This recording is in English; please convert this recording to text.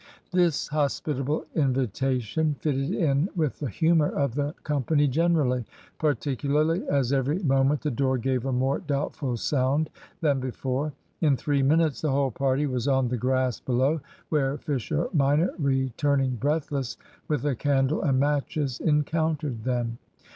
This hospitable invitation fitted in with the humour of the company generally, particularly as every moment the door gave a more doubtful sound than before. In three minutes the whole party was on the grass below, where Fisher minor, returning breathless, with a candle and matches, encountered them.